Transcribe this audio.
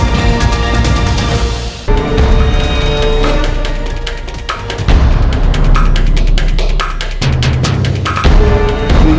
สวัสดีครับทุกคน